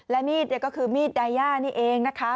และมีดก็คือมีดไดย่านี่เองนะคะ